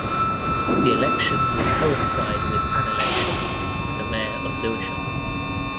The election will coincide with an election for the mayor of Lewisham.